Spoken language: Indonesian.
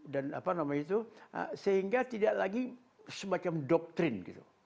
dan apa namanya itu sehingga tidak lagi semacam doktrin gitu